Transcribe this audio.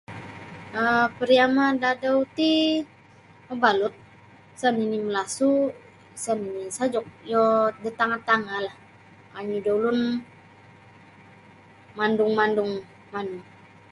um pariama da adau ti mabalut sa nini malasu sa nini sajuk iyo da tangah-tangahlah kandu da ulun mandung-mandung manu.